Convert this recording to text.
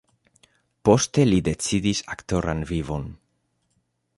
Poste li decidis aktoran vivon.